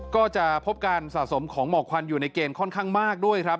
ก็จะพบการสะสมของหมอกควันอยู่ในเกณฑ์ค่อนข้างมากด้วยครับ